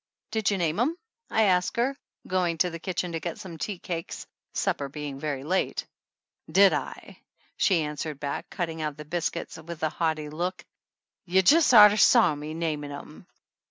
"Did you name 'em?" I asked her, going to the kitchen to get some tea cakes, supper being very late. "Did /?" she answered back, cutting out the 131 THE ANNALS OF ANN biscuits with a haughty look, "you just oughter a saw me namin' 'em